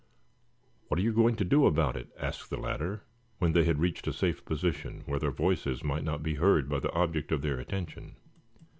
"What are you going to do about it?" asked the latter, when they had reached a safe position, where their voices might not be heard by the object of their attention.